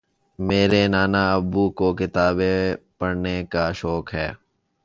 میرے نانا ابو کو کتابیں پڑھنے کا شوق ہے